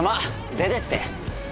出てって！